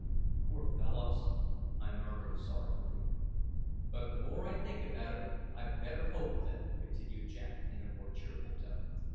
"Poor fellows!" I murmured sorrowfully. "But the more I think about it I've better hope of them," continued Jack in a more cheerful tone.